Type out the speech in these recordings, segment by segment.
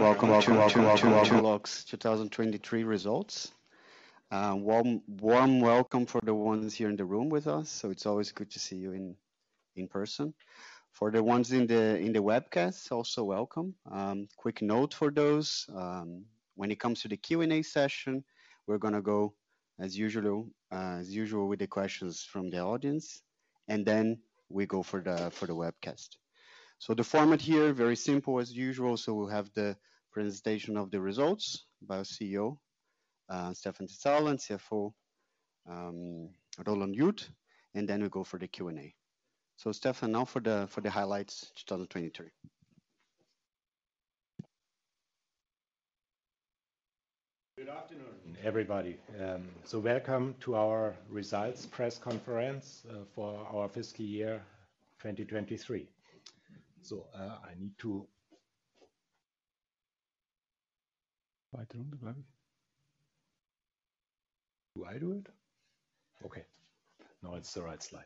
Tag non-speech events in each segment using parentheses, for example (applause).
Welcome to u-blox 2023 results. Warm welcome for the ones here in the room with us, so it's always good to see you in person. For the ones in the webcast, also welcome. Quick note for those: when it comes to the Q&A session, we're going to go, as usual, with the questions from the audience, and then we go for the webcast. So the format here is very simple, as usual, so we'll have the presentation of the results by our CEO, Stephan Zizala, and CFO Roland Jud, and then we go for the Q&A. So, Stephan, now for the highlights 2023. Good afternoon, everybody. So welcome to our results press conference for our fiscal year 2023. So I need to— Do I do it? Okay, now it's the right slide.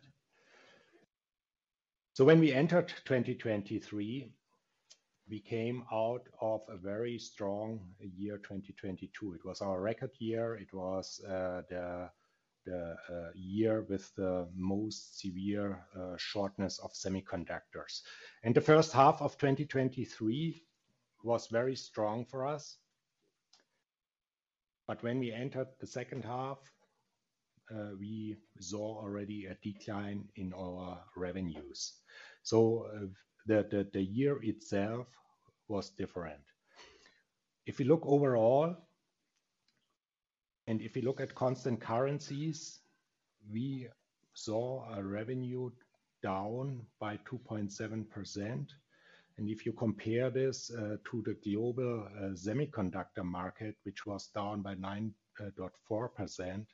So when we entered 2023, we came out of a very strong year 2022. It was our record year. It was the year with the most severe shortage of semiconductors. And the first half of 2023 was very strong for us. But when we entered the second half, we saw already a decline in our revenues. So the year itself was different. If we look overall, and if we look at constant currencies, we saw a revenue down by 2.7%. And if you compare this to the global semiconductor market, which was down by 9.4%,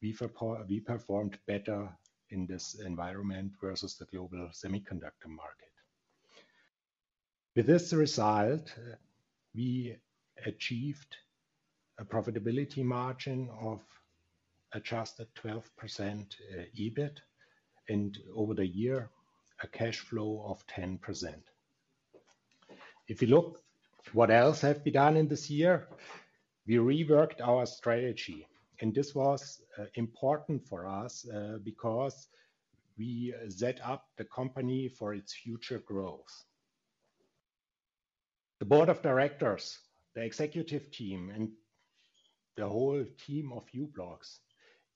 we performed better in this environment versus the global semiconductor market. With this result, we achieved a profitability margin of adjusted 12% EBIT and, over the year, a cash flow of 10%. If you look at what else has been done in this year, we reworked our strategy. This was important for us because we set up the company for its future growth. The board of directors, the executive team, and the whole team of u-blox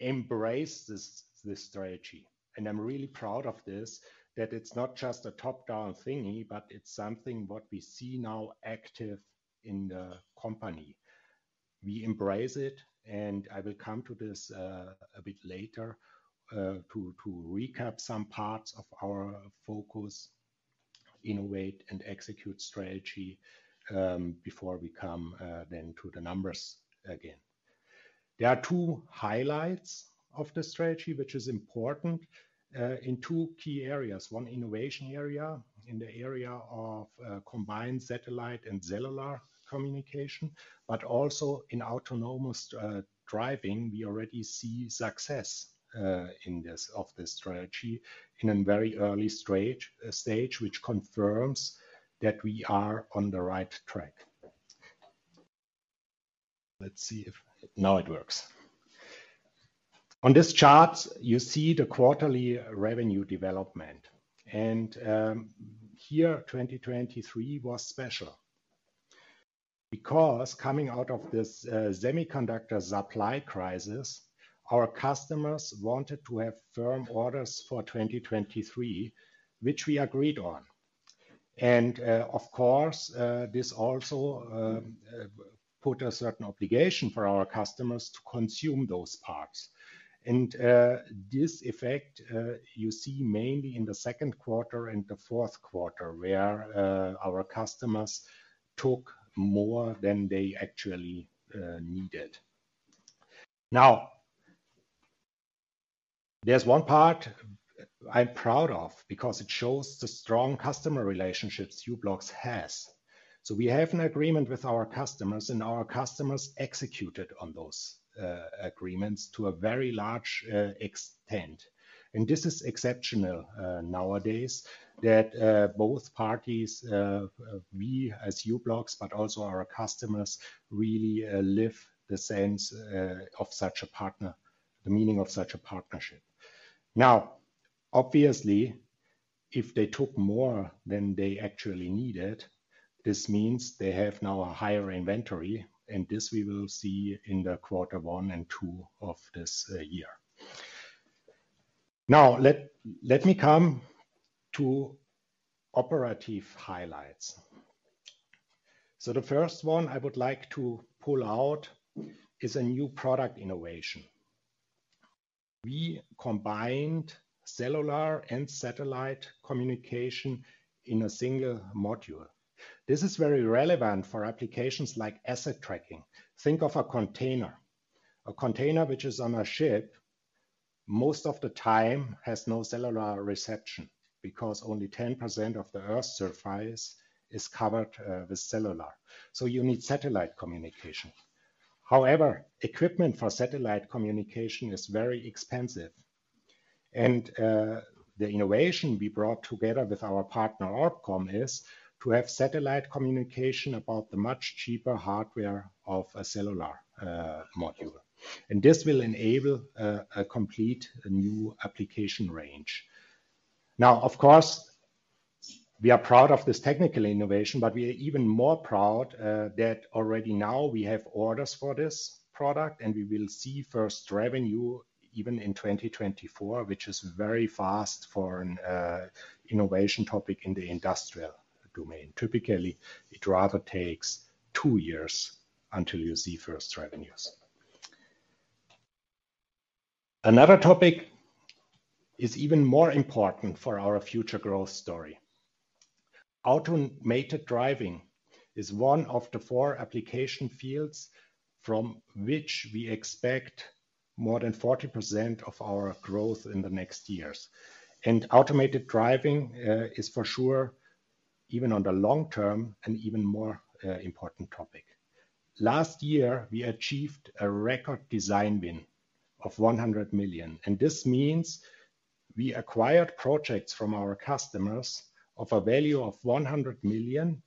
embraced this strategy. I'm really proud of this, that it's not just a top-down thingy, but it's something that we see now active in the company. We embrace it, and I will come to this a bit later to recap some parts of our Focus, Innovate, and Execute strategy before we come then to the numbers again. There are two highlights of the strategy, which is important in two key areas: one innovation area in the area of combined satellite and cellular communication, but also in autonomous driving. We already see success in this strategy in a very early stage, which confirms that we are on the right track. Let's see if now it works. On this chart, you see the quarterly revenue development. And here, 2023 was special because, coming out of this semiconductor supply crisis, our customers wanted to have firm orders for 2023, which we agreed on. And, of course, this also put a certain obligation for our customers to consume those parts. And this effect you see mainly in the second quarter and the fourth quarter, where our customers took more than they actually needed. Now, there's one part I'm proud of because it shows the strong customer relationships u-blox has. So we have an agreement with our customers, and our customers executed on those agreements to a very large extent. And this is exceptional nowadays, that both parties—we, as u-blox, but also our customers—really live the sense of such a partner, the meaning of such a partnership. Now, obviously, if they took more than they actually needed, this means they have now a higher inventory, and this we will see in the quarter one and two of this year. Now, let me come to operative highlights. So the first one I would like to pull out is a new product innovation. We combined cellular and satellite communication in a single module. This is very relevant for applications like asset tracking. Think of a container. A container which is on a ship most of the time has no cellular reception because only 10% of the Earth's surface is covered with cellular. So you need satellite communication. However, equipment for satellite communication is very expensive. And the innovation we brought together with our partner ORBCOMM is to have satellite communication about the much cheaper hardware of a cellular module. And this will enable a complete new application range. Now, of course, we are proud of this technical innovation, but we are even more proud that already now we have orders for this product, and we will see first revenue even in 2024, which is very fast for an innovation topic in the industrial domain. Typically, it rather takes two years until you see first revenues. Another topic is even more important for our future growth story. Automated driving is one of the four application fields from which we expect more than 40% of our growth in the next years. Automated driving is for sure, even on the long term, an even more important topic. Last year, we achieved a record design win of 100 million. This means we acquired projects from our customers of a value of 100 million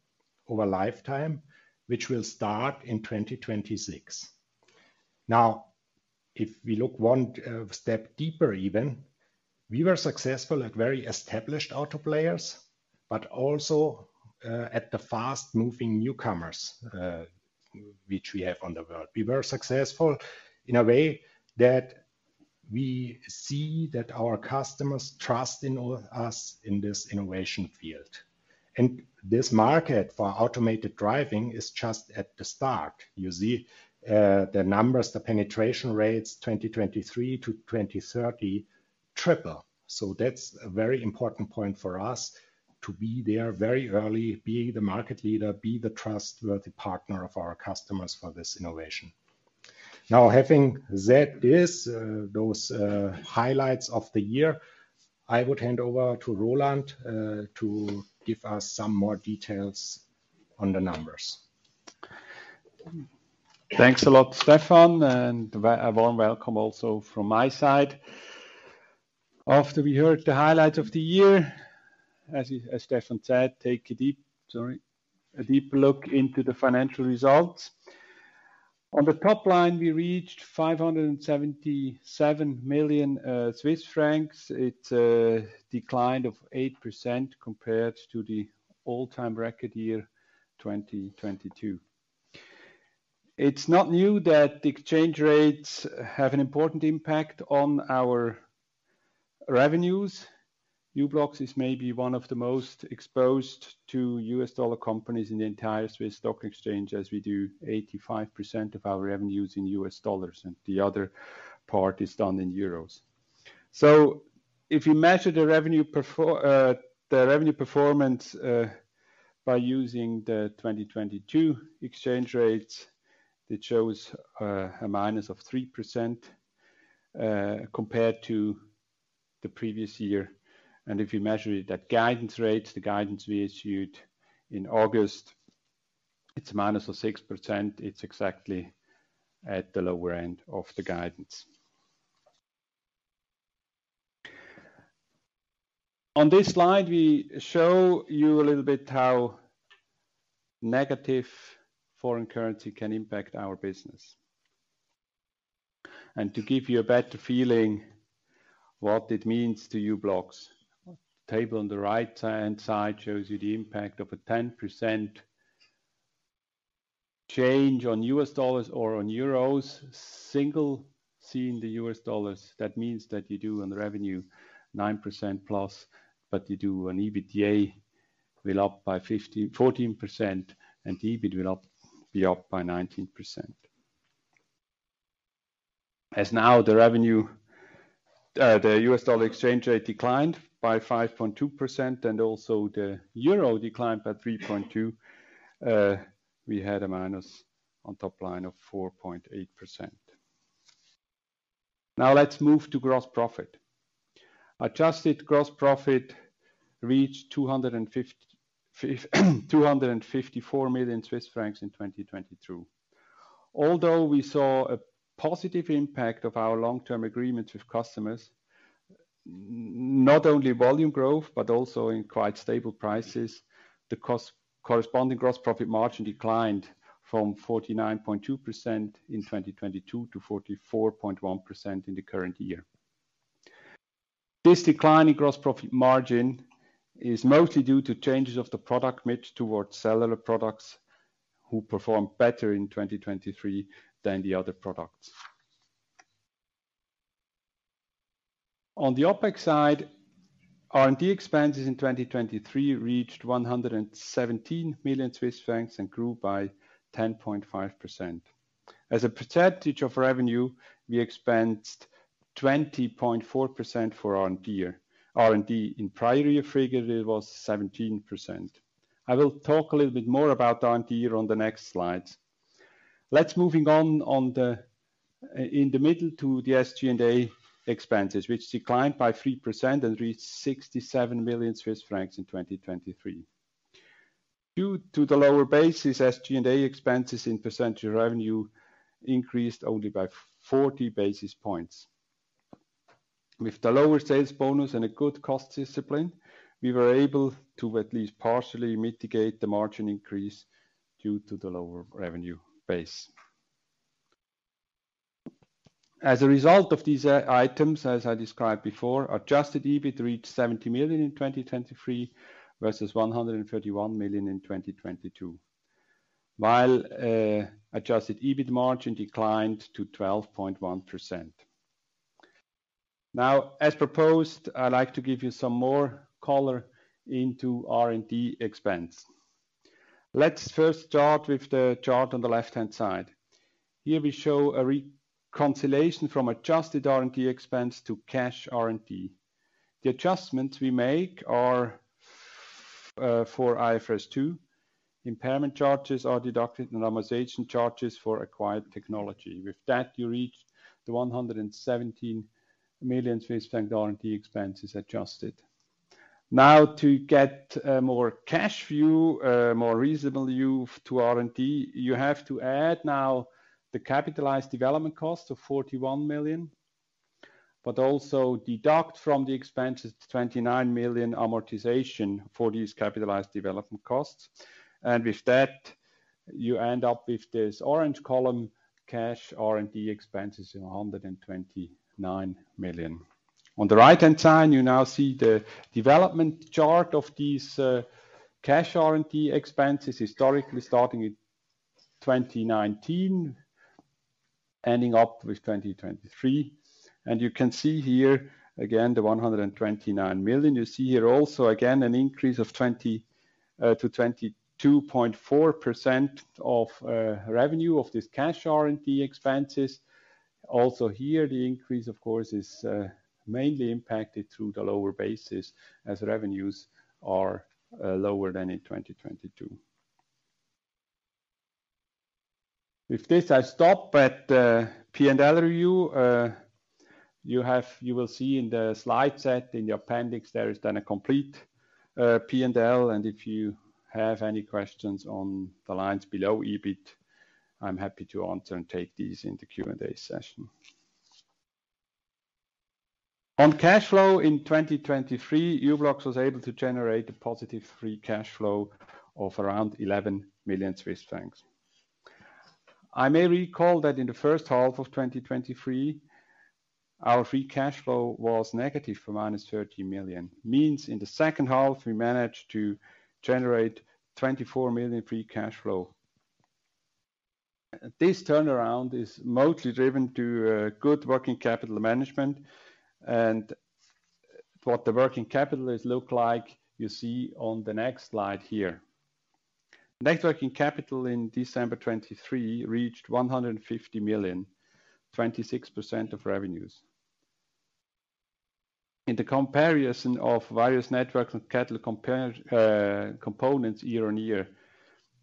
over lifetime, which will start in 2026. Now, if we look one step deeper even, we were successful at very established auto players, but also at the fast-moving newcomers which we have on the world. We were successful in a way that we see that our customers trust in us in this innovation field. This market for automated driving is just at the start. You see the numbers, the penetration rates 2023-2030 triple. So that's a very important point for us to be there very early, be the market leader, be the trustworthy partner of our customers for this innovation. Now, having said those highlights of the year, I would hand over to Roland to give us some more details on the numbers. Thanks a lot, Stephan. And a warm welcome also from my side. After we heard the highlights of the year, as Stephan said, take a deep look into the financial results. On the top line, we reached 577 million Swiss francs. It's a decline of 8% compared to the all-time record year 2022. It's not new that the exchange rates have an important impact on our revenues. u-blox is maybe one of the most exposed to U.S. dollar companies in the entire Swiss Stock Exchange, as we do 85% of our revenues in U.S. dollars, and the other part is done in euros. So if you measure the revenue performance by using the 2022 exchange rates, that shows a minus of 3% compared to the previous year. And if you measure that guidance rate, the guidance we issued in August, it's a minus of 6%. It's exactly at the lower end of the guidance. On this slide, we show you a little bit how negative foreign currency can impact our business. To give you a better feeling of what it means to u-blox, the table on the right-hand side shows you the impact of a 10% change on U.S. dollars or on euros, sensitivity in the U.S. dollars. That means that on revenue +9%, but on EBITDA it will be up by 14%, and the EBIT will be up by 19%. As the U.S. dollar exchange rate declined by -5.2% and also the euro declined by 3.2%, we had a minus on top line of 4.8%. Now, let's move to gross profit. Adjusted gross profit reached 254 million Swiss francs in 2022. Although we saw a positive impact of our long-term agreements with customers, not only volume growth, but also in quite stable prices, the corresponding gross profit margin declined from 49.2% in 2022 to 44.1% in the current year. This decline in gross profit margin is mostly due to changes of the product mix towards cellular products who performed better in 2023 than the other products. On the OpEx side, R&D expenses in 2023 reached 117 million Swiss francs and grew by 10.5%. As a percentage of revenue, we expensed 20.4% for R&D. In prior year figure, it was 17%. I will talk a little bit more about R&D here on the next slides. Let's move on in the middle to the SG&A expenses, which declined by 3% and reached 67 million Swiss francs in 2023. Due to the lower basis, SG&A expenses in percentage revenue increased only by 40 basis points. With the lower sales bonus and a good cost discipline, we were able to at least partially mitigate the margin increase due to the lower revenue base. As a result of these items, as I described before, adjusted EBIT reached 70 million in 2023 versus 131 million in 2022, while adjusted EBIT margin declined to 12.1%. Now, as proposed, I'd like to give you some more color into R&D expense. Let's first start with the chart on the left-hand side. Here, we show a reconciliation from adjusted R&D expense to cash R&D. The adjustments we make are for IFRS 2. Impairment charges are deducted, and amortization charges for acquired technology. With that, you reach the 117 million Swiss franc R&D expenses adjusted. Now, to get a more cash view, a more reasonable view to R&D, you have to add now the capitalized development cost of 41 million, but also deduct from the expenses 29 million amortization for these capitalized development costs. With that, you end up with this orange column, cash R&D expenses of 129 million. On the right-hand side, you now see the development chart of these cash R&D expenses, historically starting in 2019, ending up with 2023. And you can see here, again, the 129 million. You see here also, again, an increase of 20%-22.4% of revenue of these cash R&D expenses. Also here, the increase, of course, is mainly impacted through the lower basis as revenues are lower than in 2022. With this, I stop at the P&L review. You will see in the slide set, in the appendix, there is then a complete P&L. If you have any questions on the lines below EBIT, I'm happy to answer and take these in the Q&A session. On cash flow in 2023, u-blox was able to generate a positive free cash flow of around 11 million Swiss francs. I may recall that in the first half of 2023, our free cash flow was negative for minus 30 million. Means in the second half, we managed to generate 24 million free cash flow. This turnaround is mostly driven to good working capital management. And what the working capital looks like, you see on the next slide here. Net working capital in December 2023 reached 150 million, 26% of revenues. In the comparison of various net working capital components year-on-year,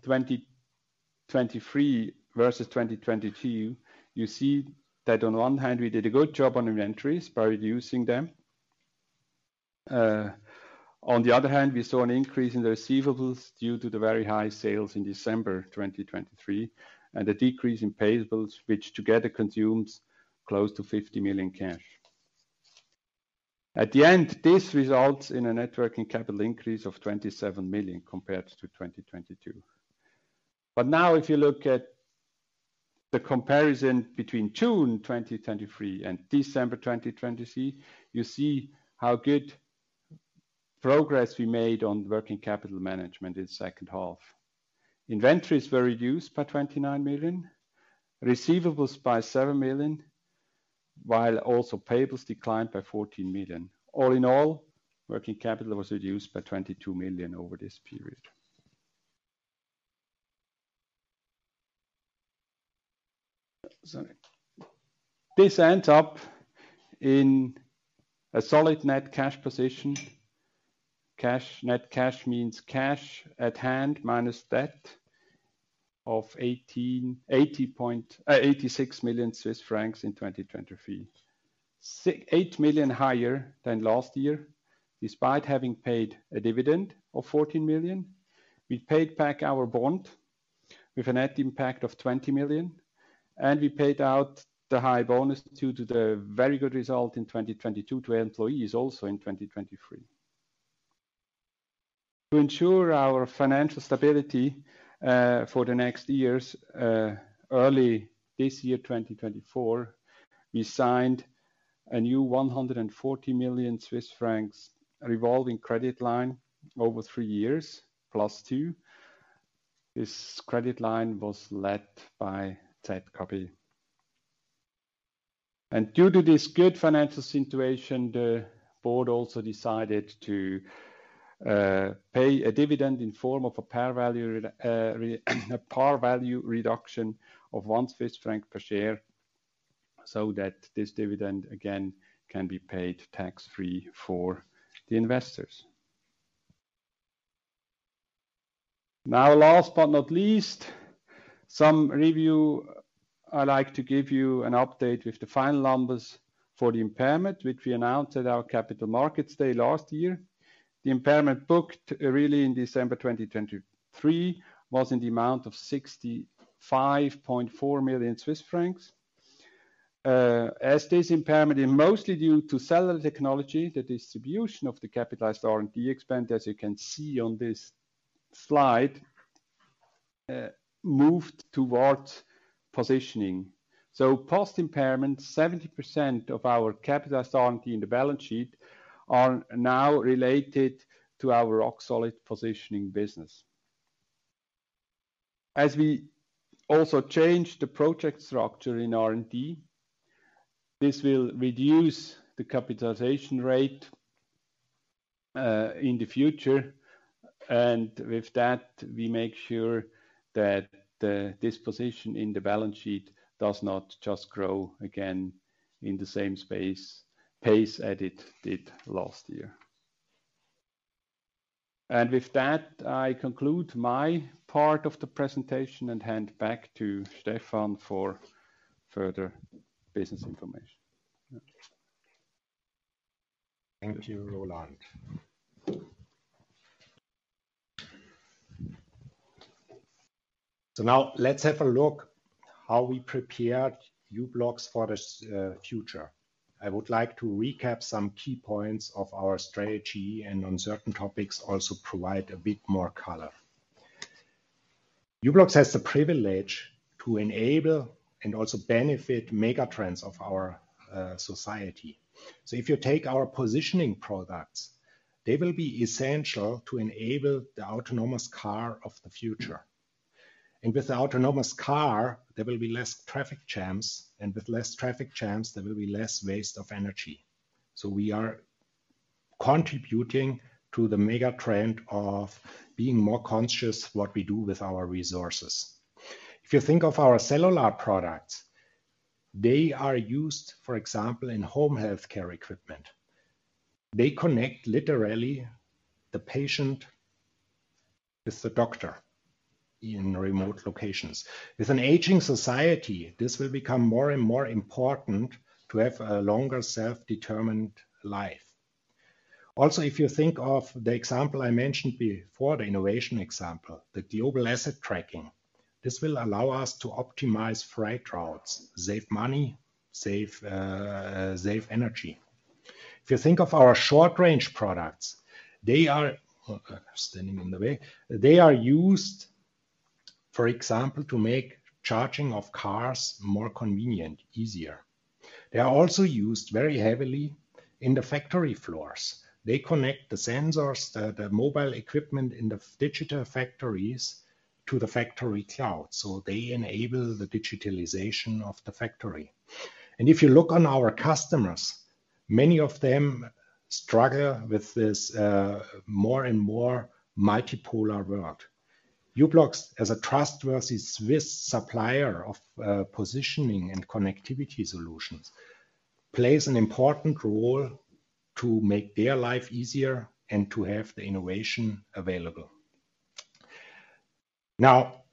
2023 versus 2022, you see that on one hand, we did a good job on inventories by reducing them. On the other hand, we saw an increase in the receivables due to the very high sales in December 2023 and a decrease in payables, which together consumes close to 50 million cash. At the end, this results in a net working capital increase of 27 million compared to 2022. But now, if you look at the comparison between June 2023 and December 2023, you see how good progress we made on working capital management in the second half. Inventories were reduced by 29 million, receivables by 7 million, while also payables declined by 14 million. All in all, working capital was reduced by 22 million over this period. Sorry. This ends up in a solid net cash position. Net cash means cash at hand minus debt of 86 million Swiss francs in 2023. 8 million higher than last year. Despite having paid a dividend of 14 million, we paid back our bond with a net impact of 20 million. And we paid out the high bonus due to the very good result in 2022 to our employees also in 2023. To ensure our financial stability for the next years, early this year, 2024, we signed a new 140 million Swiss francs revolving credit line over three years, plus two. This credit line was led by ZKB. And due to this good financial situation, the board also decided to pay a dividend in form of a par value reduction of 1 Swiss franc per share so that this dividend, again, can be paid tax-free for the investors. Now, last but not least, some review. I'd like to give you an update with the final numbers for the impairment, which we announced at our Capital Markets Day last year. The impairment booked, really, in December 2023, was in the amount of 65.4 million Swiss francs. As this impairment is mostly due to cellular technology, the distribution of the capitalized R&D expenditure, as you can see on this slide, moved towards positioning. So post-impairment, 70% of our capitalized R&D in the balance sheet are now related to our rock solid positioning business. As we also change the project structure in R&D, this will reduce the capitalization rate in the future. And with that, we make sure that this position in the balance sheet does not just grow again in the same pace as it did last year. And with that, I conclude my part of the presentation and hand back to Stephan for further business information. Thank you, Roland. So now, let's have a look at how we prepared u-blox for the future. I would like to recap some key points of our strategy and, on certain topics, also provide a bit more color. u-blox has the privilege to enable and also benefit megatrends of our society. So if you take our positioning products, they will be essential to enable the autonomous car of the future. And with the autonomous car, there will be less traffic jams. And with less traffic jams, there will be less waste of energy. So we are contributing to the megatrend of being more conscious of what we do with our resources. If you think of our cellular products, they are used, for example, in home healthcare equipment. They connect literally the patient with the doctor in remote locations. With an aging society, this will become more and more important to have a longer self-determined life. Also, if you think of the example I mentioned before, the innovation example, the global asset tracking, this will allow us to optimize freight routes, save money, save energy. If you think of our short-range products, they are standing in the way. They are used, for example, to make charging of cars more convenient, easier. They are also used very heavily in the factory floors. They connect the sensors, the mobile equipment in the digital factories to the factory cloud. So they enable the digitalization of the factory. And if you look on our customers, many of them struggle with this more and more multipolar world. u-blox, as a trustworthy Swiss supplier of positioning and connectivity solutions, plays an important role to make their life easier and to have the innovation available. Now,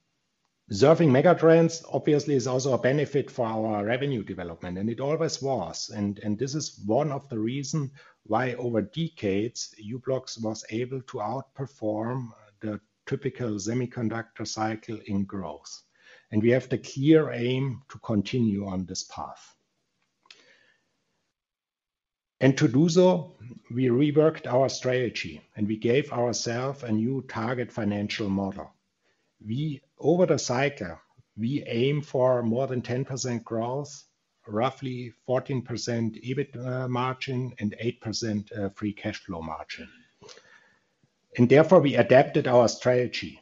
observing megatrends, obviously, is also a benefit for our revenue development. And it always was. This is one of the reasons why, over decades, u-blox was able to outperform the typical semiconductor cycle in growth. We have the clear aim to continue on this path. To do so, we reworked our strategy, and we gave ourselves a new target financial model. Over the cycle, we aim for more than 10% growth, roughly 14% EBIT margin, and 8% free cash flow margin. Therefore, we adapted our strategy.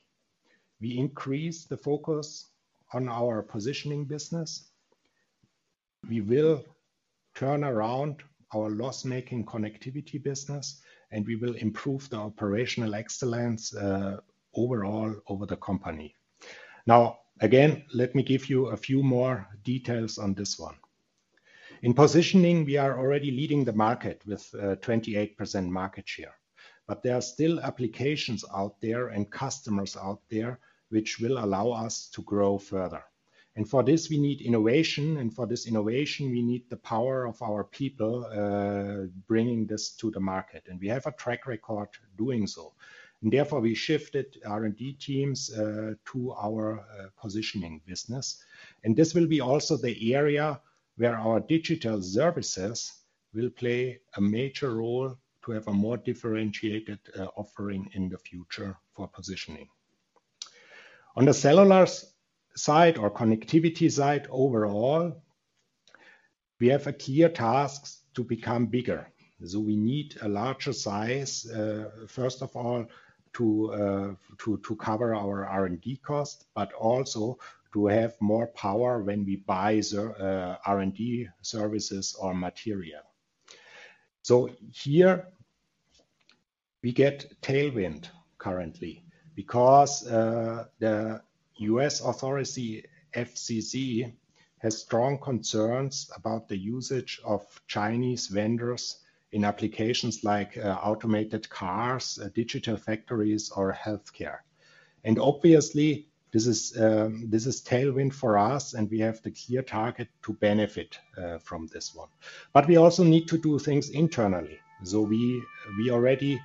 We increased the focus on our positioning business. We will turn around our loss-making connectivity business, and we will improve the operational excellence overall over the company. Now, again, let me give you a few more details on this one. In positioning, we are already leading the market with 28% market share. But there are still applications out there and customers out there which will allow us to grow further. For this, we need innovation. For this innovation, we need the power of our people bringing this to the market. We have a track record doing so. Therefore, we shifted R&D teams to our positioning business. This will be also the area where our digital services will play a major role to have a more differentiated offering in the future for positioning. On the cellular side or connectivity side overall, we have clear tasks to become bigger. We need a larger size, first of all, to cover our R&D costs, but also to have more power when we buy R&D services or material. Here, we get tailwind currently because the U.S. authority, FCC, has strong concerns about the usage of Chinese vendors in applications like automated cars, digital factories, or healthcare. Obviously, this is tailwind for us, and we have the clear target to benefit from this one. But we also need to do things internally. We already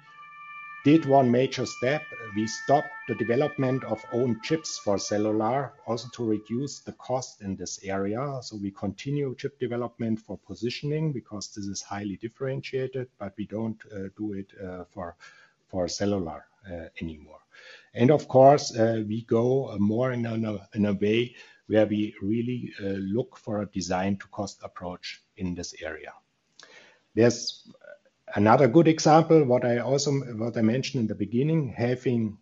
did one major step. We stopped the development of own chips for cellular, also to reduce the cost in this area. We continue chip development for positioning because this is highly differentiated, but we don't do it for cellular anymore. Of course, we go more in a way where we really look for a design-to-cost approach in this area. There's another good example, what I mentioned in the beginning, having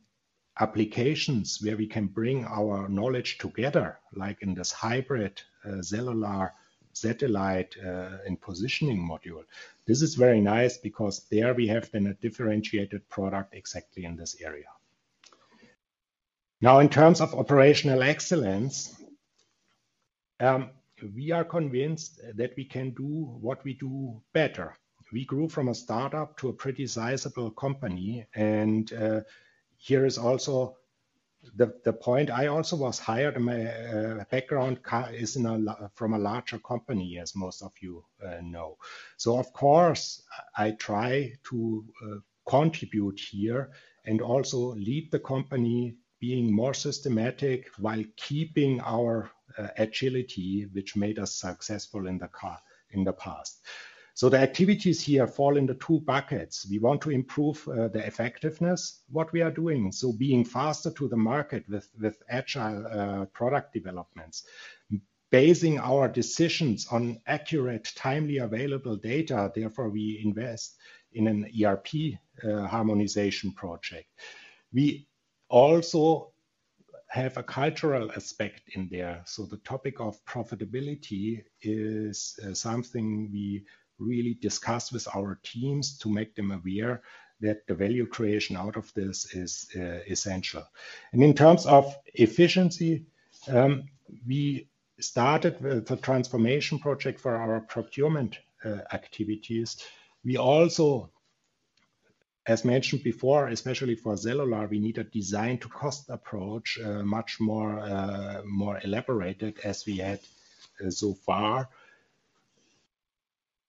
applications where we can bring our knowledge together, like in this hybrid cellular satellite and positioning module. This is very nice because there we have then a differentiated product exactly in this area. Now, in terms of operational excellence, we are convinced that we can do what we do better. We grew from a startup to a pretty sizable company. And here is also the point. I also was hired. My background is from a larger company, as most of you know. So of course, I try to contribute here and also lead the company, being more systematic while keeping our agility, which made us successful in the past. So the activities here fall into two buckets. We want to improve the effectiveness of what we are doing, so being faster to the market with agile product developments, basing our decisions on accurate, timely available data. Therefore, we invest in an ERP harmonization project. We also have a cultural aspect in there. So the topic of profitability is something we really discuss with our teams to make them aware that the value creation out of this is essential. In terms of efficiency, we started with a transformation project for our procurement activities. We also, as mentioned before, especially for cellular, we need a design-to-cost approach, much more elaborated as we had so far.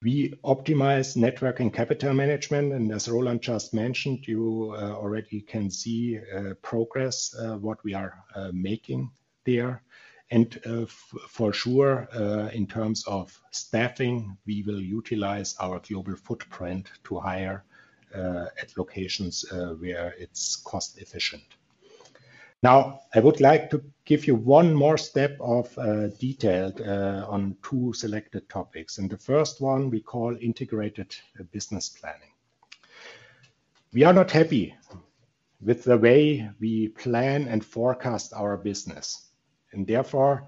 We optimize network and capital management. As Roland just mentioned, you already can see progress, what we are making there. For sure, in terms of staffing, we will utilize our global footprint to hire at locations where it's cost-efficient. Now, I would like to give you one more step of detail on two selected topics. The first one, we call integrated business planning. We are not happy with the way we plan and forecast our business. And therefore,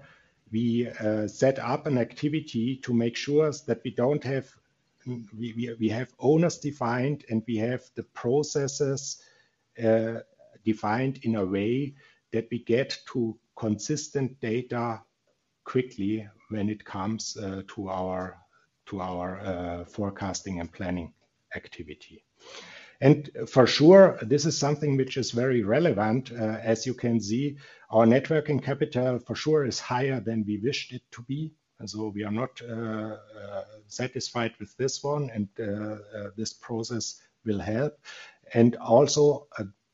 we set up an activity to make sure that we have owners defined, and we have the processes defined in a way that we get to consistent data quickly when it comes to our forecasting and planning activity. And for sure, this is something which is very relevant. As you can see, our net working capital, for sure, is higher than we wished it to be. So we are not satisfied with this one. And this process will help. And also,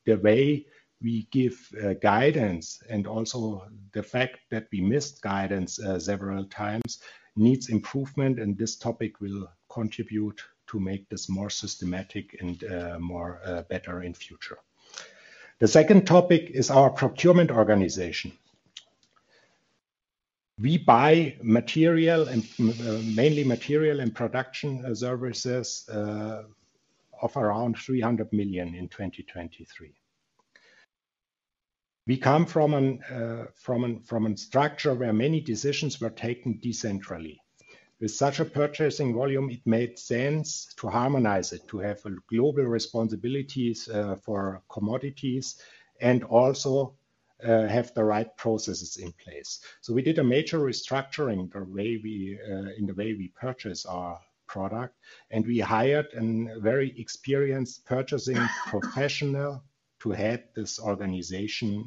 the way we give guidance and also the fact that we missed guidance several times needs improvement. And this topic will contribute to make this more systematic and better in the future. The second topic is our procurement organization. We buy material, mainly material and production services of around 300 million in 2023. We come from a structure where many decisions were taken decentrally. With such a purchasing volume, it made sense to harmonize it, to have global responsibilities for commodities and also have the right processes in place. So we did a major restructuring in the way we purchase our product. And we hired a very experienced purchasing professional to head this organization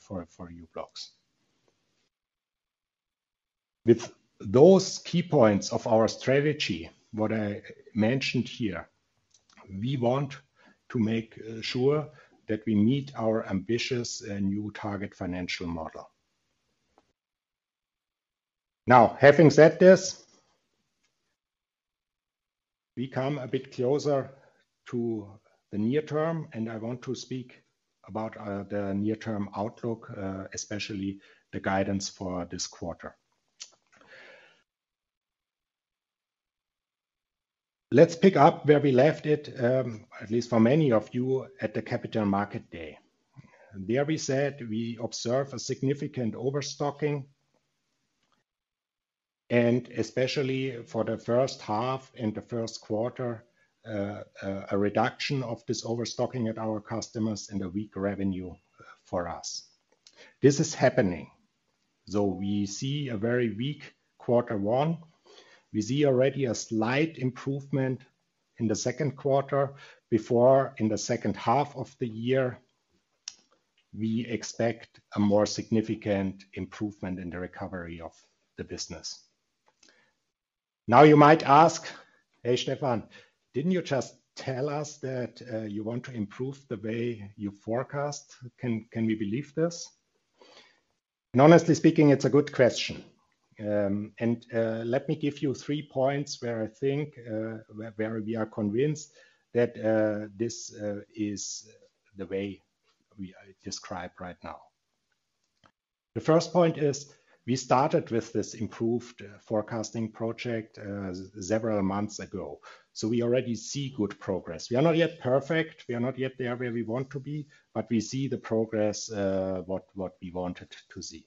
for u-blox. With those key points of our strategy, what I mentioned here, we want to make sure that we meet our ambitious new target financial model. Now, having said this, we come a bit closer to the near term. And I want to speak about the near-term outlook, especially the guidance for this quarter. Let's pick up where we left it, at least for many of you, at the Capital Markets Day. There we said we observe a significant overstocking. And especially for the first half and the first quarter, a reduction of this overstocking at our customers and a weak revenue for us. This is happening. So we see a very weak quarter one. We see already a slight improvement in the second quarter. Before, in the second half of the year, we expect a more significant improvement in the recovery of the business. Now, you might ask, "Hey, Stephan, didn't you just tell us that you want to improve the way you forecast? Can we believe this?" And honestly speaking, it's a good question. And let me give you three points where I think, where we are convinced that this is the way we describe right now. The first point is we started with this improved forecasting project several months ago. So we already see good progress. We are not yet perfect. We are not yet there where we want to be. We see the progress, what we wanted to see.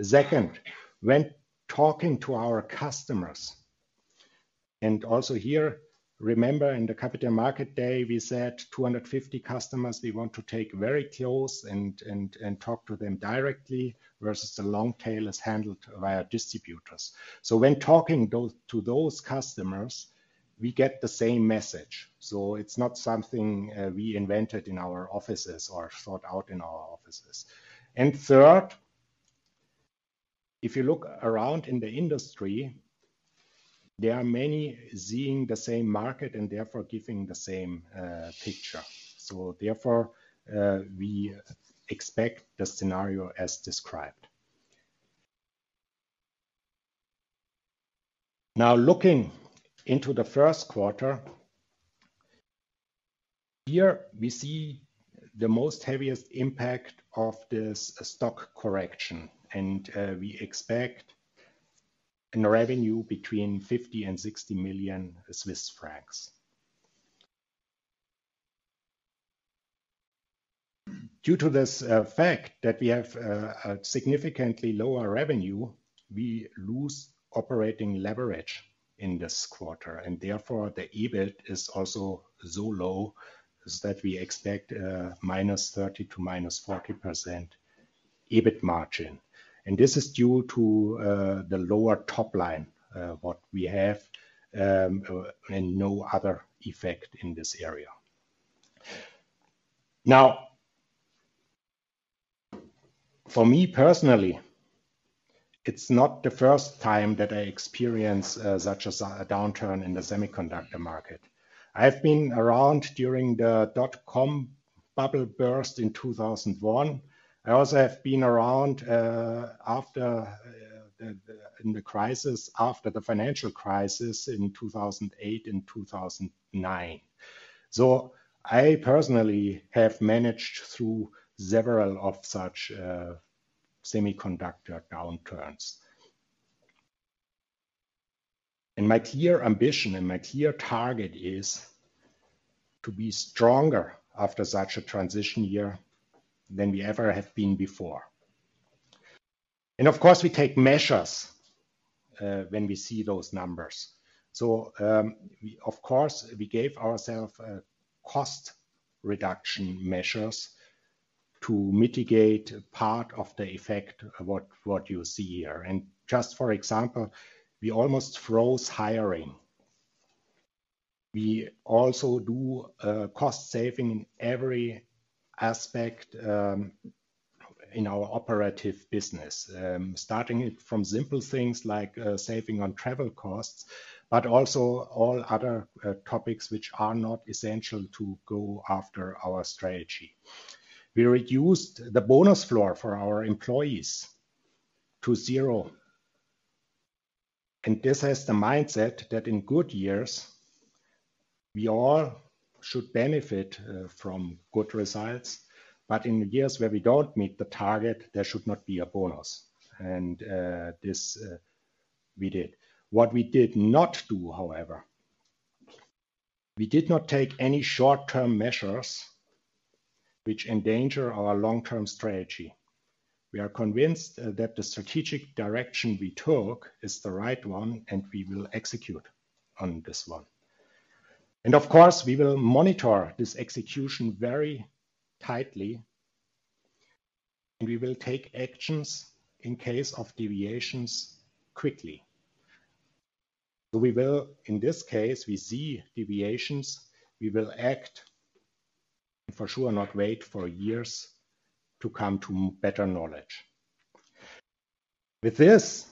Second, when talking to our customers and also here, remember, in the Capital Market Day, we said 250 customers we want to take very close and talk to them directly versus the long tail is handled via distributors. So when talking to those customers, we get the same message. It's not something we invented in our offices or thought out in our offices. Third, if you look around in the industry, there are many seeing the same market and therefore giving the same picture. Therefore, we expect the scenario as described. Now, looking into the first quarter, here, we see the most heaviest impact of this stock correction. We expect a revenue between 50 million and 60 million Swiss francs. Due to this fact that we have a significantly lower revenue, we lose operating leverage in this quarter. Therefore, the EBIT is also so low that we expect -30% to -40% EBIT margin. This is due to the lower top line, what we have, and no other effect in this area. Now, for me personally, it's not the first time that I experience such a downturn in the semiconductor market. I have been around during the dot-com bubble burst in 2001. I also have been around in the financial crisis in 2008 and 2009. So I personally have managed through several of such semiconductor downturns. My clear ambition and my clear target is to be stronger after such a transition year than we ever have been before. Of course, we take measures when we see those numbers. So of course, we gave ourselves cost reduction measures to mitigate part of the effect of what you see here. Just for example, we almost froze hiring. We also do cost-saving in every aspect in our operative business, starting from simple things like saving on travel costs, but also all other topics which are not essential to go after our strategy. We reduced the bonus floor for our employees to zero. This has the mindset that in good years, we all should benefit from good results. But in years where we don't meet the target, there should not be a bonus. And this we did. What we did not do, however, we did not take any short-term measures which endanger our long-term strategy. We are convinced that the strategic direction we took is the right one, and we will execute on this one. Of course, we will monitor this execution very tightly. We will take actions in case of deviations quickly. In this case, we see deviations. We will act and for sure not wait for years to come to better knowledge. With this,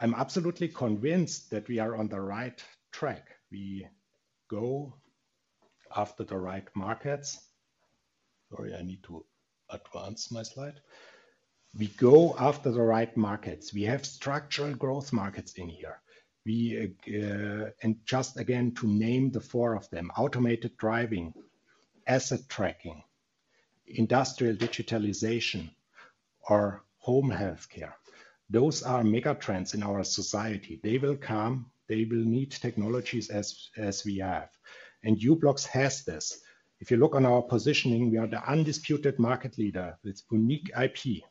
I'm absolutely convinced that we are on the right track. We go after the right markets. Sorry, I need to advance my slide. We go after the right markets. We have structural growth markets in here. Just again, to name the four of them: automated driving, asset tracking, industrial digitalization, or home healthcare. Those are megatrends in our society. They will come. They will need technologies as we have. u-blox has this. If you look on our positioning, we are the undisputed market leader with unique IP.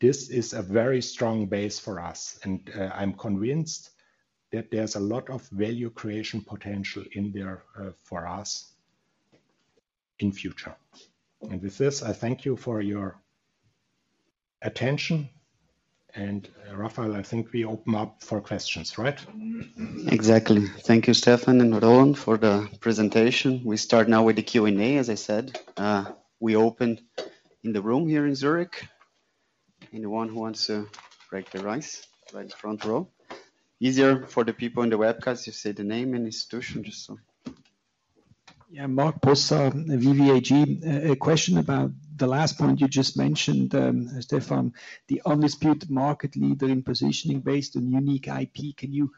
This is a very strong base for us. I'm convinced that there's a lot of value creation potential for us in the future. With this, I thank you for your attention. Rafael, I think we open up for questions, right? Exactly. Thank you, Stephan and Roland, for the presentation. We start now with the Q&A, as I said. We open in the room here in Zurich. Anyone who wants to raise their hand right in the front row? Easier for the people in the webcast, you say the name and institution, just so. Yeah. Marc Possa, VVAG. A question about the last point you just mentioned, Stephan. The undisputed market leader in positioning based on unique IP. Can you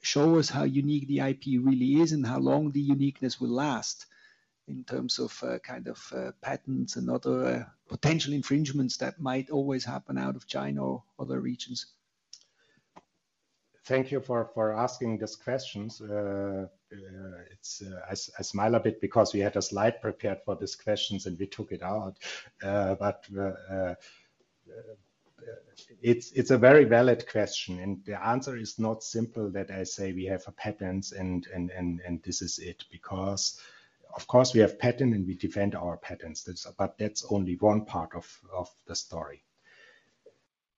show us how unique the IP really is and how long the uniqueness will last in terms of kind of patents and other potential infringements that might always happen out of China or other regions? Thank you for asking these questions. I smile a bit because we had a slide prepared for these questions, and we took it out. But it's a very valid question. And the answer is not simple that I say we have patents and this is it because, of course, we have patents, and we defend our patents. But that's only one part of the story.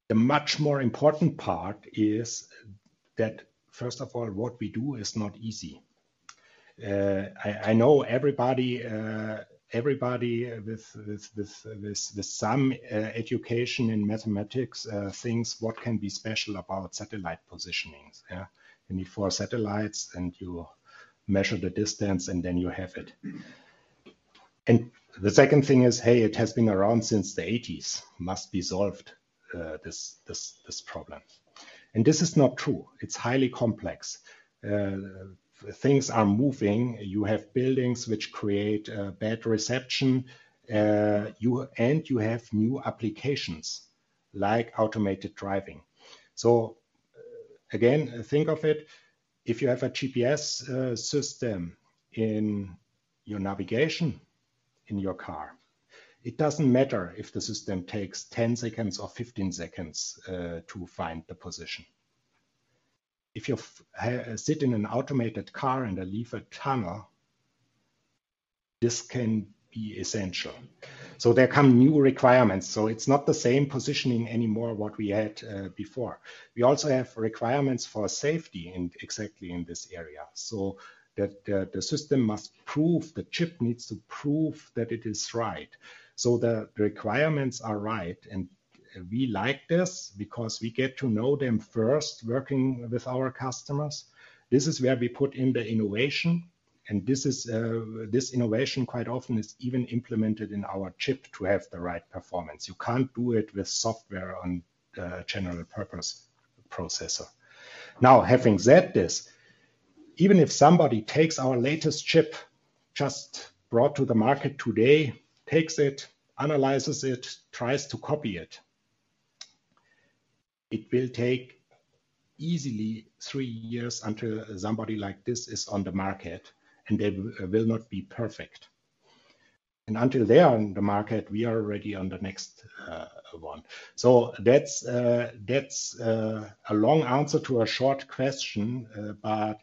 The much more important part is that, first of all, what we do is not easy. I know everybody with some education in mathematics thinks, "What can be special about satellite positionings?" You need four satellites, and you measure the distance, and then you have it. And the second thing is, "Hey, it has been around since the '80s. Must be solved, this problem." And this is not true. It's highly complex. Things are moving. You have buildings which create bad reception. And you have new applications like automated driving. So again, think of it. If you have a GPS system in your navigation in your car, it doesn't matter if the system takes 10 seconds or 15 seconds to find the position. If you sit in an automated car and leave a tunnel, this can be essential. So there come new requirements. So it's not the same positioning anymore, what we had before. We also have requirements for safety exactly in this area. So the system must prove the chip needs to prove that it is right. So the requirements are right. And we like this because we get to know them first working with our customers. This is where we put in the innovation. And this innovation quite often is even implemented in our chip to have the right performance. You can't do it with software on a general-purpose processor. Now, having said this, even if somebody takes our latest chip just brought to the market today, takes it, analyzes it, tries to copy it, it will take easily three years until somebody like this is on the market. And they will not be perfect. And until they are on the market, we are already on the next one. So that's a long answer to a short question. But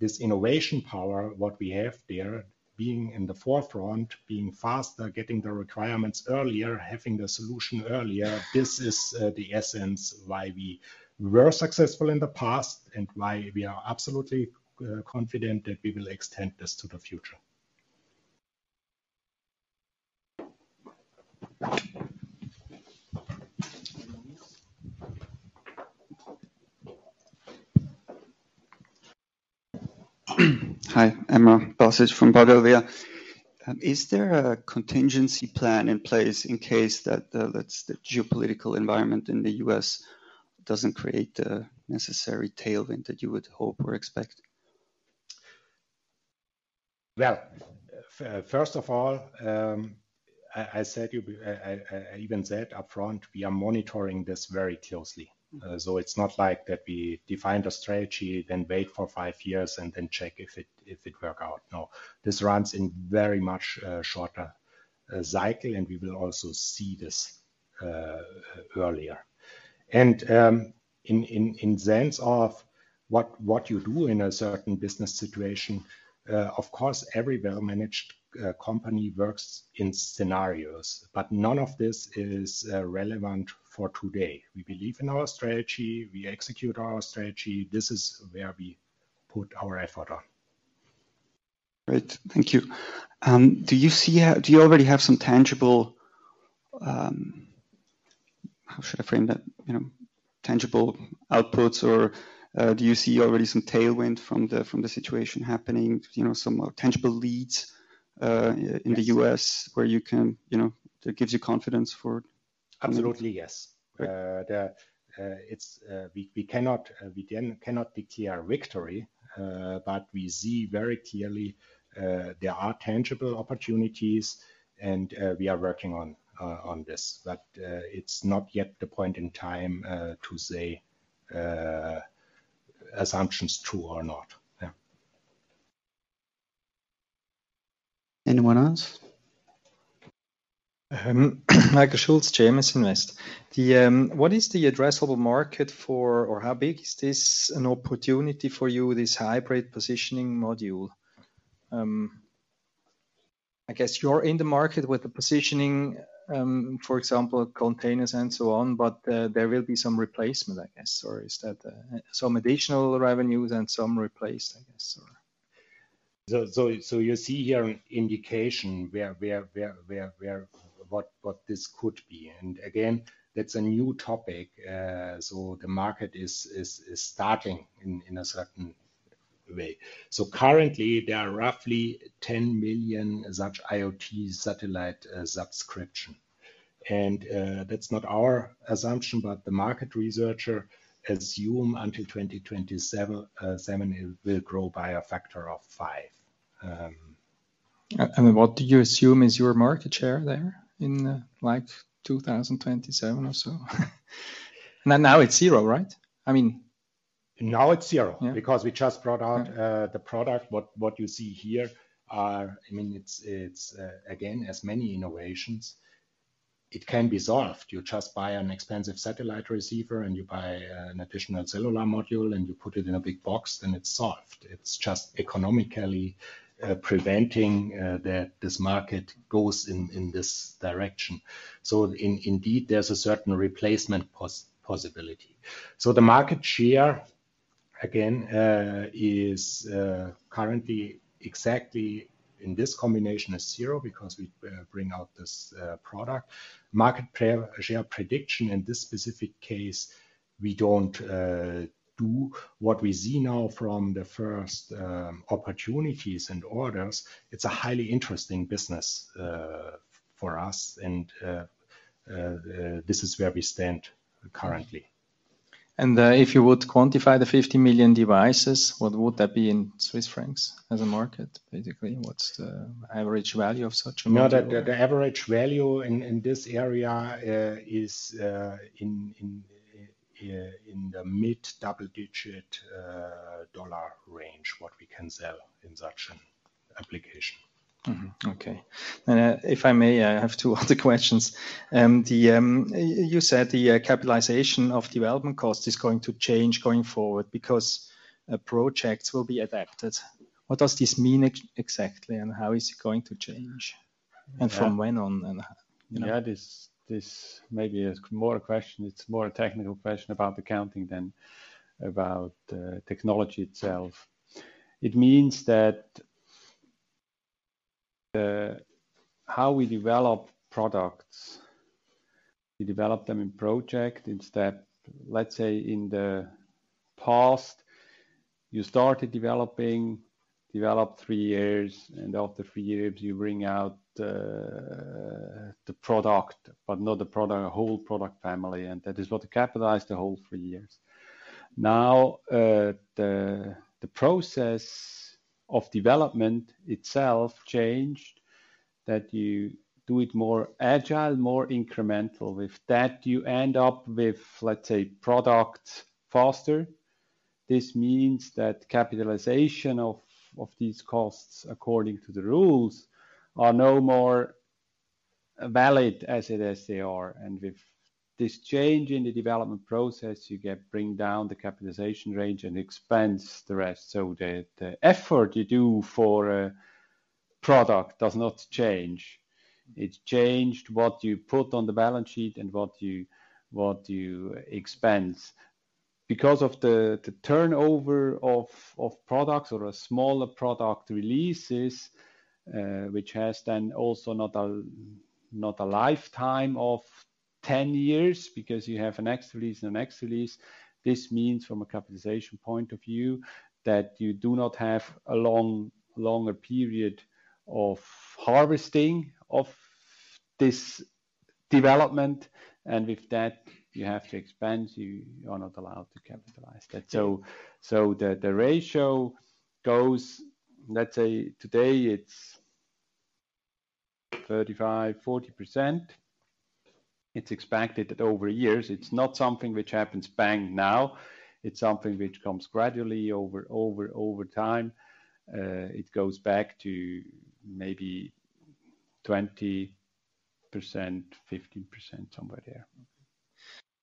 this innovation power, what we have there, being in the forefront, being faster, getting the requirements earlier, having the solution earlier, this is the essence why we were successful in the past and why we are absolutely confident that we will extend this to the future. Hi. Mark Diethelm from Vontobel. Is there a contingency plan in place in case that the geopolitical environment in the U.S. doesn't create the necessary tailwind that you would hope or expect? Well, first of all, I even said upfront, we are monitoring this very closely. So it's not like that we define the strategy, then wait for five years, and then check if it worked out. No. This runs in a very much shorter cycle. We will also see this earlier. In the sense of what you do in a certain business situation, of course, every well-managed company works in scenarios. But none of this is relevant for today. We believe in our strategy. We execute our strategy. This is where we put our effort on. Great. Thank you. Do you already have some tangible how should I frame that? Tangible outputs? Or do you see already some tailwind from the situation happening, some tangible leads in the U.S. where it gives you confidence for? Absolutely, yes. We cannot declare victory. But we see very clearly there are tangible opportunities. And we are working on this. But it's not yet the point in time to say assumptions true or not. Yeah. Anyone else? Michael Schulz, JMS Invest. What is the addressable market for or how big is this an opportunity for you, this hybrid positioning module? I guess you're in the market with the positioning, for example, containers and so on. But there will be some replacement, I guess. Or is that some additional revenues and some replaced, I guess? So you see here an indication what this could be. And again, that's a new topic. So the market is starting in a certain way. So currently, there are roughly 10 million such IoT satellite subscriptions. And that's not our assumption. But the market researcher assumed until 2027, it will grow by a factor of five. What do you assume is your market share there in 2027 or so? And now it's zero, right? I mean. Now it's zero because we just brought out the product. What you see here are again, as many innovations, it can be solved. You just buy an expensive satellite receiver, and you buy an additional cellular module, and you put it in a big box, and it's solved. It's just economically preventing that this market goes in this direction. So indeed, there's a certain replacement possibility. So the market share, again, is currently exactly in this combination is zero because we bring out this product. Market share prediction, in this specific case, we don't do. What we see now from the first opportunities and orders, it's a highly interesting business for us. This is where we stand currently. If you would quantify the 50 million devices, what would that be in Swiss francs as a market, basically? What's the average value of such a market? No. The average value in this area is in the mid-double-digit dollar range, what we can sell in such an application. Okay. And if I may, I have two other questions. You said the capitalization of development costs is going to change going forward because projects will be adapted. What does this mean exactly? And how is it going to change? And from when on? Yeah. This may be more a question. It's more a technical question about the counting than about the technology itself. It means that how we develop products, we develop them in project. Let's say, in the past, you started developing, developed three years. And after three years, you bring out the product but not the product, a whole product family. And that is what capitalized the whole three years. Now, the process of development itself changed that you do it more agile, more incremental. With that, you end up with, let's say, products faster. This means that capitalization of these costs according to the rules are no more valid as it is they are. And with this change in the development process, you bring down the capitalization range and expense the rest. So the effort you do for a product does not change. It changed what you put on the balance sheet and what you expense. Because of the turnover of products or smaller product releases, which has then also not a lifetime of 10 years because you have an X release and an X release, this means, from a capitalization point of view, that you do not have a longer period of harvesting of this development. With that, you have to expense. You are not allowed to capitalize that. The ratio goes, let's say, today, it's 35%-40%. It's expected that over years, it's not something which happens bang now. It's something which comes gradually over time. It goes back to maybe 20%, 15%, somewhere there.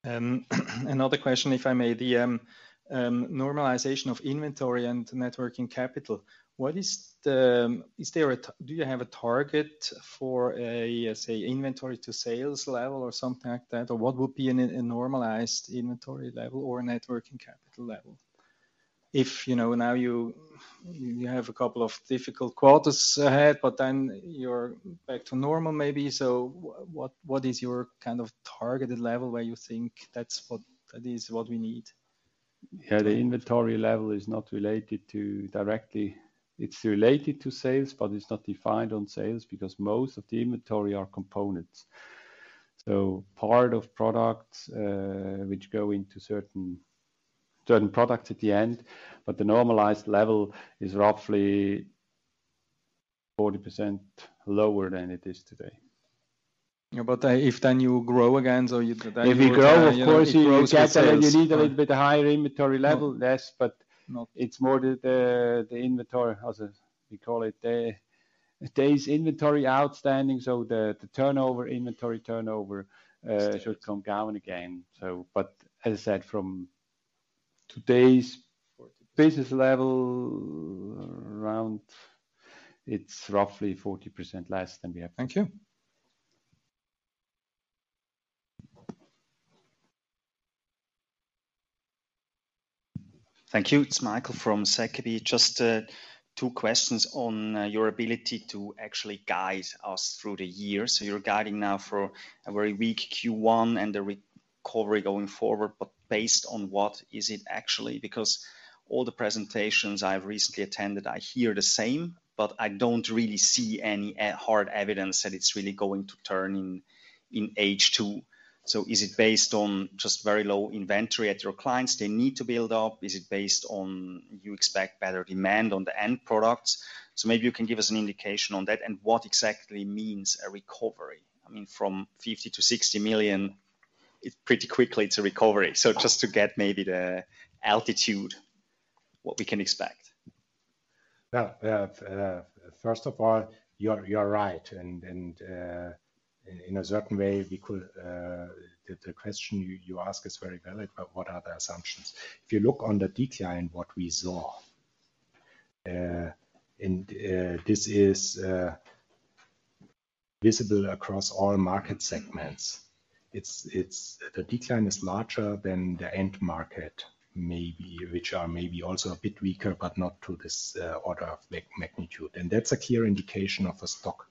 Another question, if I may. The normalization of inventory and net working capital, is there, do you have a target for a, say, inventory-to-sales level or something like that? Or what would be a normalized inventory level or net working capital level? If now you have a couple of difficult quarters ahead, but then you're back to normal, maybe. So what is your kind of targeted level where you think that is what we need? Yeah. The inventory level is not related to directly. It's related to sales, but it's not defined on sales because most of the inventory are components. So part of products which go into certain products at the end. But the normalized level is roughly 40% lower than it is today. But if then you grow again, so you grow? (crosstalk) If you grow, of course, you need a little bit higher inventory level. Yes. But it's more the inventory, as we call it, today's inventory outstanding. So the inventory turnover should come down again. But as I said, from today's business level, it's roughly 40% less than we have. Thank you. Thank you. It's Michael from ZKB. Just two questions on your ability to actually guide us through the years. You're guiding now for a very weak Q1 and the recovery going forward. But based on what? Is it actually because all the presentations I've recently attended, I hear the same? But I don't really see any hard evidence that it's really going to turn in H2. So is it based on just very low inventory at your clients they need to build up? Is it based on you expect better demand on the end products? So maybe you can give us an indication on that and what exactly means a recovery. I mean, from 50 million to 60 million, pretty quickly, it's a recovery. So just to get maybe the altitude, what we can expect. Yeah. Yeah. First of all, you're right. And in a certain way, the question you ask is very valid. But what are the assumptions? If you look on the decline what we saw, and this is visible across all market segments, the decline is larger than the end market, which are maybe also a bit weaker but not to this order of magnitude. And that's a clear indication of the stock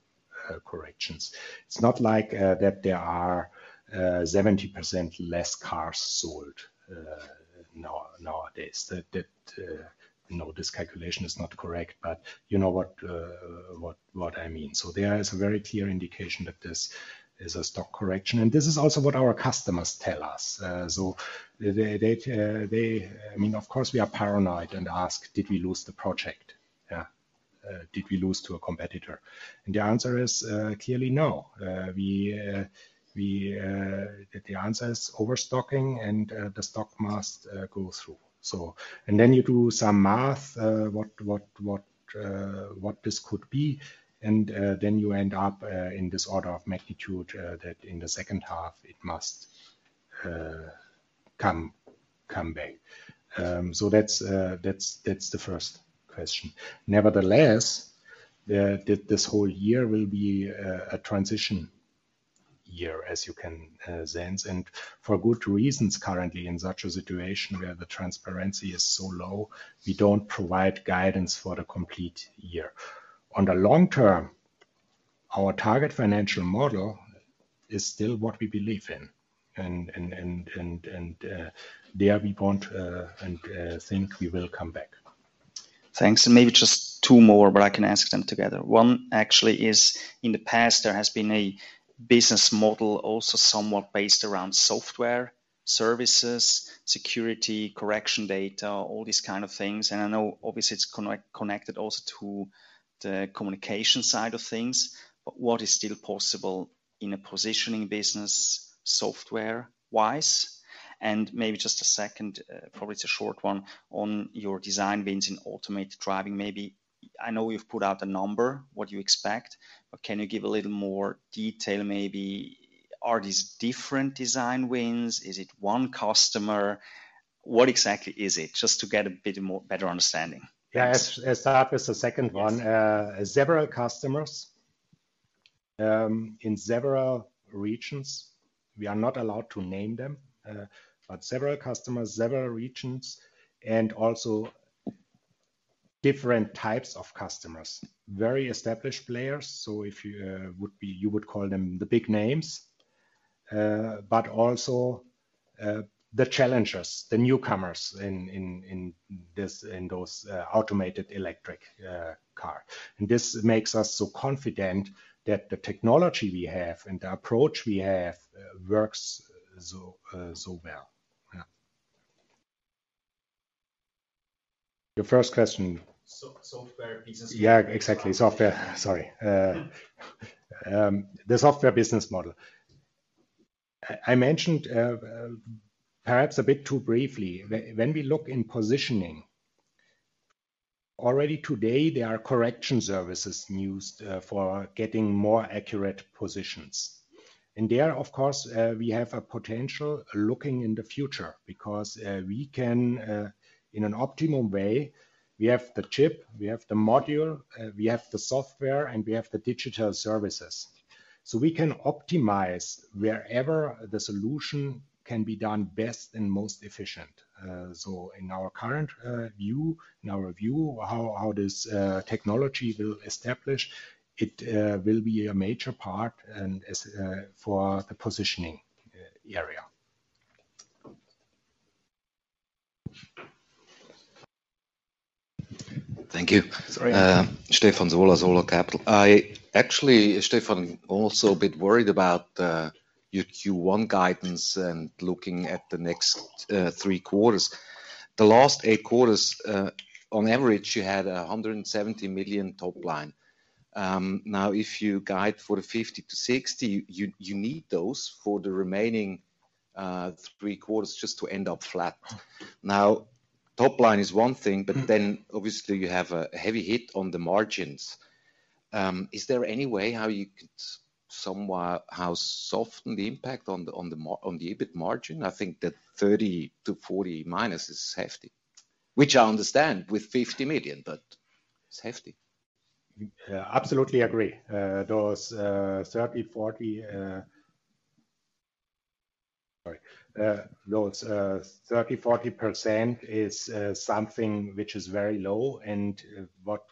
corrections. It's not like that there are 70% less cars sold nowadays. This calculation is not correct. But you know what I mean? So there is a very clear indication that this is a stock correction. And this is also what our customers tell us. I mean, of course, we are paranoid and ask, "Did we lose the project? Yeah. Did we lose to a competitor?" And the answer is clearly, no. The answer is overstocking. The stock must go through. Then you do some math what this could be. Then you end up in this order of magnitude that in the second half, it must come back. That's the first question. Nevertheless, this whole year will be a transition year, as you can sense. For good reasons, currently, in such a situation where the transparency is so low, we don't provide guidance for the complete year. On the long term, our target financial model is still what we believe in. There, we want and think we will come back. Thanks. And maybe just two more, but I can ask them together. One actually is, in the past, there has been a business model also somewhat based around software, services, security, correction data, all these kind of things. And I know, obviously, it's connected also to the communication side of things. But what is still possible in a positioning business software-wise? And maybe just a second, probably it's a short one, on your design wins in automated driving. I know you've put out a number, what you expect. But can you give a little more detail, maybe? Are these different design wins? Is it one customer? What exactly is it? Just to get a bit better understanding. Yeah. I'll start with the second one. Several customers in several regions. We are not allowed to name them. But several customers, several regions, and also different types of customers, very established players. So you would call them the big names but also the challengers, the newcomers in those automated electric cars. And this makes us so confident that the technology we have and the approach we have works so well. Yeah. Your first question. Software business model. Yeah, exactly, software sorry. The software business model. I mentioned perhaps a bit too briefly. When we look in positioning, already today, there are correction services used for getting more accurate positions. And there, of course, we have a potential looking in the future because we can, in an optimum way, we have the chip. We have the module. We have the software. And we have the digital services. So we can optimize wherever the solution can be done best and most efficient. So in our current view, in our view, how this technology will establish, it will be a major part for the positioning area. Thank you. Sorry. Stephan Sola, from Sola Capital. Actually, Stephan also a bit worried about your Q1 guidance and looking at the next three quarters. The last eight quarters, on average, you had a 170 million top line. Now, if you guide for the 50 million-60 million, you need those for the remaining three quarters just to end up flat. Now, top line is one thing. But then, obviously, you have a heavy hit on the margins. Is there any way how you could somehow soften the impact on the EBIT margin? I think that 30-40 minus is hefty, which I understand with 50 million. But it's hefty. Absolutely agree. Those 30%-40% sorry. Those 30%-40% is something which is very low. And what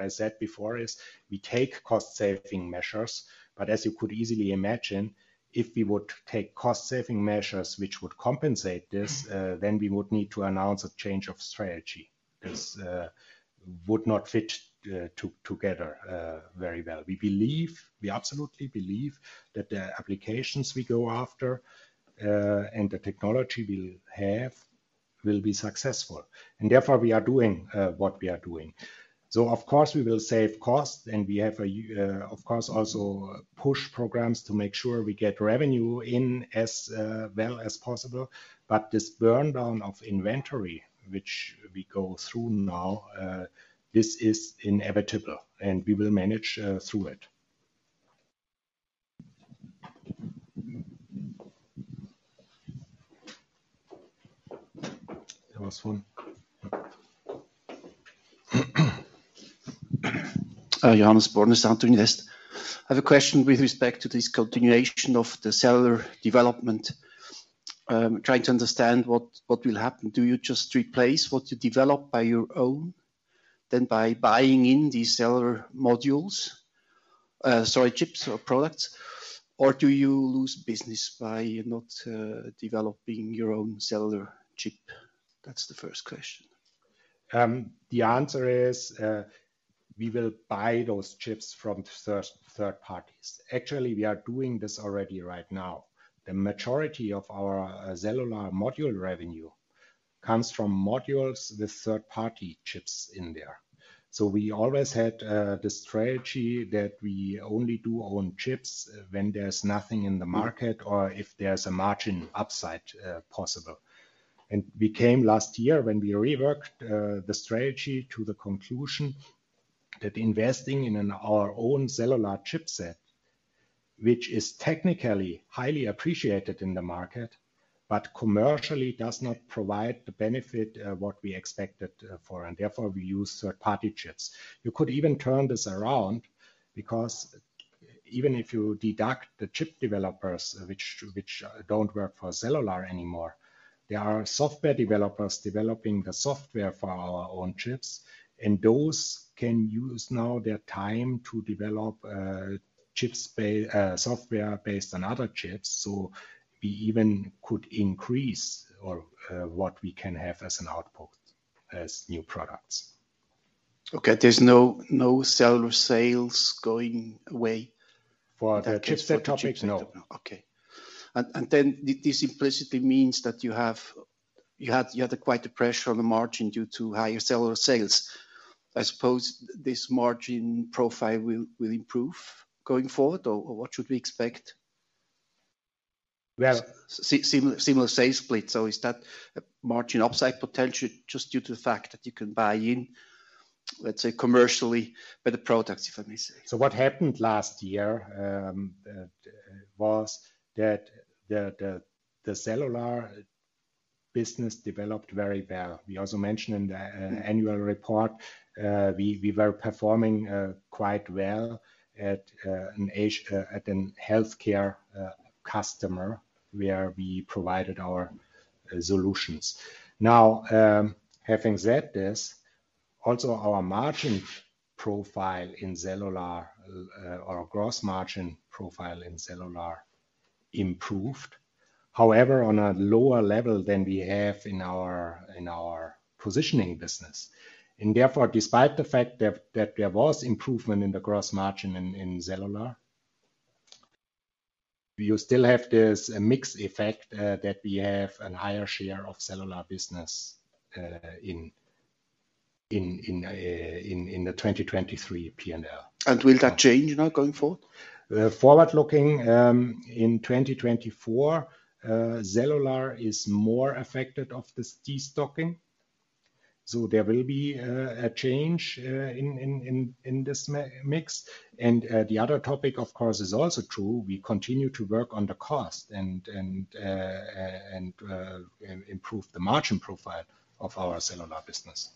I said before is, we take cost-saving measures. But as you could easily imagine, if we would take cost-saving measures which would compensate this, then we would need to announce a change of strategy. This would not fit together very well. We absolutely believe that the applications we go after and the technology we have will be successful. And therefore, we are doing what we are doing. So, of course, we will save costs. And we have, of course, also push programs to make sure we get revenue in as well as possible. But this burndown of inventory, which we go through now, this is inevitable. And we will manage through it. That was fun. Johannes Bürkle, Santorini Invest. I have a question with respect to this continuation of the cellular development, trying to understand what will happen. Do you just replace what you develop by your own then by buying in these cellular modules? Sorry, chips or products. Or do you lose business by not developing your own cellular chip? That's the first question. The answer is, we will buy those chips from third parties. Actually, we are doing this already right now. The majority of our cellular module revenue comes from modules with third-party chips in there. So we always had the strategy that we only do own chips when there's nothing in the market or if there's a margin upside possible. And we came last year, when we reworked the strategy, to the conclusion that investing in our own cellular chipset, which is technically highly appreciated in the market but commercially does not provide the benefit what we expected for. And therefore, we use third-party chips. You could even turn this around because even if you deduct the chip developers, which don't work for cellular anymore, there are software developers developing the software for our own chips. And those can use now their time to develop software based on other chips. We even could increase what we can have as an output, as new products. Okay. There's no cellular sales going away? For the chipset topics, no. Okay. And then this implicitly means that you had quite a pressure on the margin due to higher cellular sales. I suppose this margin profile will improve going forward? Or what should we expect? Well. Similar sales split. So is that margin upside potential just due to the fact that you can buy in, let's say, commercially better products, if I may say? What happened last year was that the cellular business developed very well. We also mentioned in the annual report, we were performing quite well at a healthcare customer where we provided our solutions. Now, having said this, also, our margin profile in cellular or gross margin profile in cellular improved, however, on a lower level than we have in our positioning business. Therefore, despite the fact that there was improvement in the gross margin in cellular, you still have this mixed effect that we have a higher share of cellular business in the 2023 P&L. Will that change now going forward? Forward-looking, in 2024, cellular is more affected of the destocking. So there will be a change in this mix. And the other topic, of course, is also true. We continue to work on the cost and improve the margin profile of our cellular business.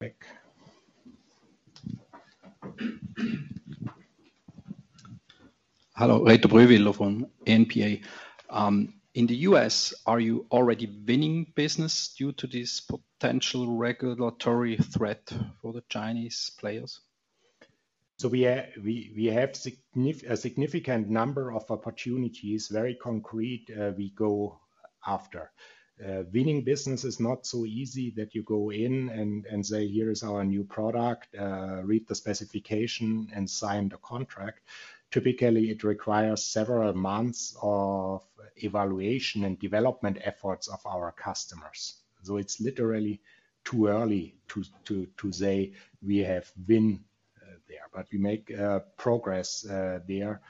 Quick. Hello. Reto Huber from Research Partners AG. In the U.S., are you already winning business due to this potential regulatory threat for the Chinese players? So we have a significant number of opportunities, very concrete, we go after. Winning business is not so easy that you go in and say, "Here is our new product. Read the specification and sign the contract." Typically, it requires several months of evaluation and development efforts of our customers. So it's literally too early to say, "We have win there." But we make progress there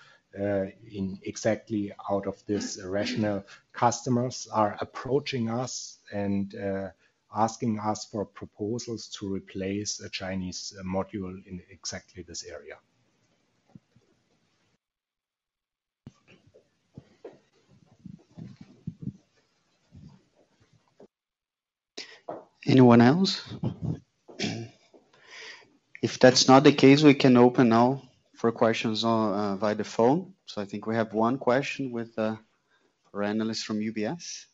exactly out of this rationale. Customers are approaching us and asking us for proposals to replace a Chinese module in exactly this area. Anyone else? If that's not the case, we can open now for questions via the phone. So I think we have one question for an analyst from UBS.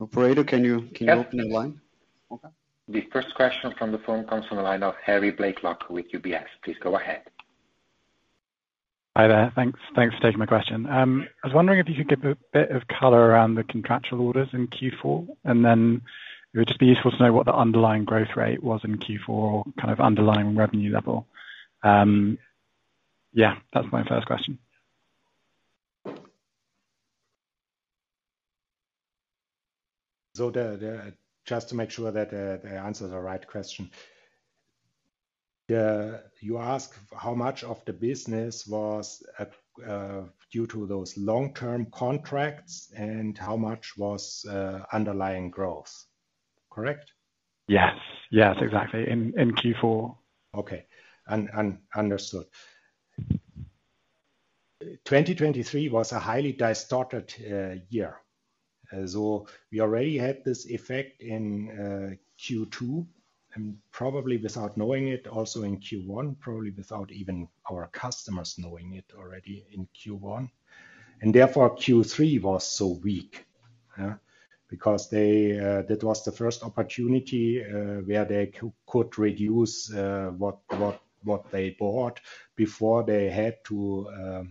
Operator, can you open the line? Yes. Okay. The first question from the phone comes from the line of Harry Blaiklock with UBS. Please go ahead. Hi there. Thanks for taking my question. I was wondering if you could give a bit of color around the contractual orders in Q4. And then it would just be useful to know what the underlying growth rate was in Q4 or kind of underlying revenue level. Yeah. That's my first question. So just to make sure that the answer is the right question, you ask how much of the business was due to those long-term contracts and how much was underlying growth. Correct? Yes. Yes. Exactly. In Q4. Okay. Understood. 2023 was a highly distorted year. So we already had this effect in Q2 and probably, without knowing it, also in Q1, probably without even our customers knowing it already in Q1. And therefore, Q3 was so weak because that was the first opportunity where they could reduce what they bought before they had to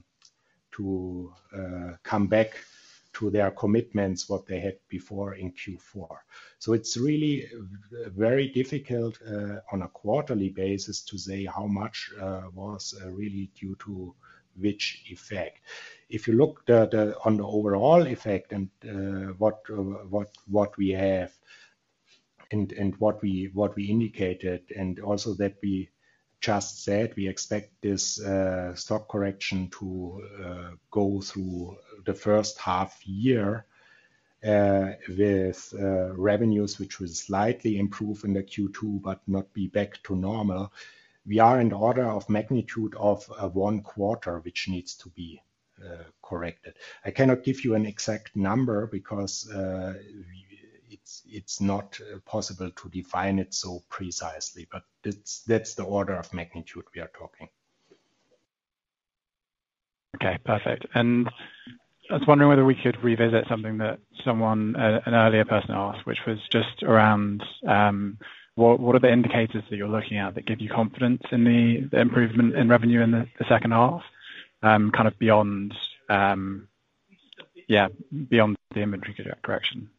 come back to their commitments, what they had before in Q4. So it's really very difficult on a quarterly basis to say how much was really due to which effect. If you look on the overall effect and what we have and what we indicated and also that we just said, "We expect this stock correction to go through the first half year with revenues which will slightly improve in the Q2 but not be back to normal," we are in order of magnitude of one quarter, which needs to be corrected. I cannot give you an exact number because it's not possible to define it so precisely. But that's the order of magnitude we are talking. Okay. Perfect. And I was wondering whether we could revisit something that an earlier person asked, which was just around what are the indicators that you're looking at that give you confidence in the improvement in revenue in the second half, kind of, yeah, beyond the inventory correction?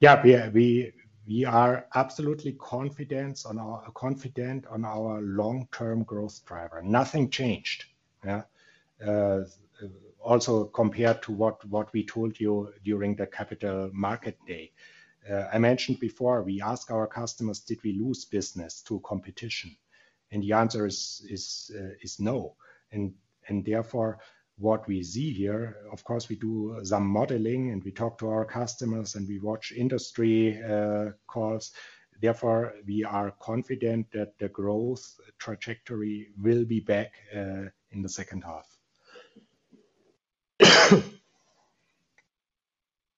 Yeah. We are absolutely confident on our long-term growth driver. Nothing changed, yeah, also compared to what we told you during the Capital Market Day. I mentioned before, we ask our customers, "Did we lose business to competition?" The answer is no. Therefore, what we see here, of course, we do some modeling. We talk to our customers. We watch industry calls. Therefore, we are confident that the growth trajectory will be back in the second half.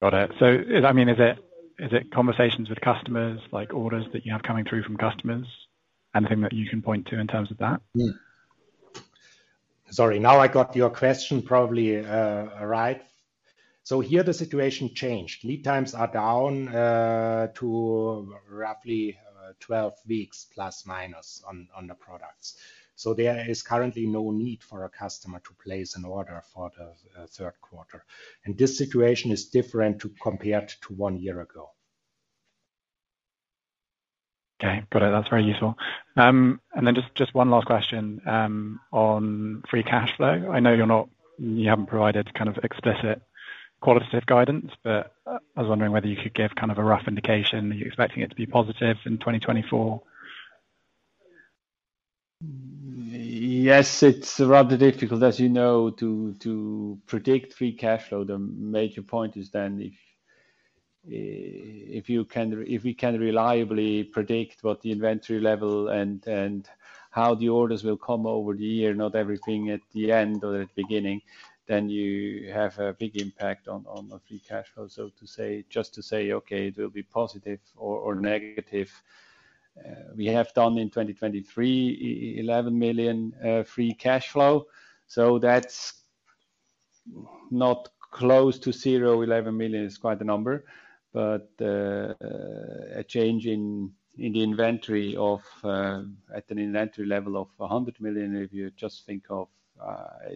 Got it. So I mean, is it conversations with customers, orders that you have coming through from customers, anything that you can point to in terms of that? Sorry. Now I got your question probably right. So here, the situation changed. Lead times are down to roughly 12 weeks, plus minus, on the products. So there is currently no need for a customer to place an order for the third quarter. And this situation is different compared to one year ago. Okay. Got it. That's very useful. And then just one last question on free cash flow. I know you haven't provided kind of explicit qualitative guidance. But I was wondering whether you could give kind of a rough indication. Are you expecting it to be positive in 2024? Yes. It's rather difficult, as you know, to predict free cash flow. The major point is then if we can reliably predict what the inventory level and how the orders will come over the year, not everything at the end or at the beginning, then you have a big impact on free cash flow, so to say, just to say, "Okay. It will be positive or negative." We have done in 2023 11 million free cash flow. So that's not close to zero. 11 million is quite a number. But a change at an inventory level of 100 million, if you just think of, "I